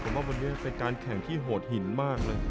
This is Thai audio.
ผมว่าวันนี้เป็นการแข่งที่โหดหินมากเลย